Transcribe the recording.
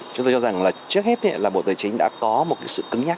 chúng ta cho rằng trước hết bộ tài chính đã có một sự cấm nhắc